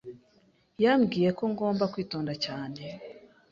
Yambwiye ko ngomba kwitonda cyane.